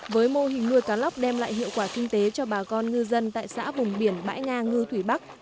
với mô hình nuôi cá lóc đem lại hiệu quả kinh tế cho bà con ngư dân tại xã vùng biển bãi nga ngư thủy bắc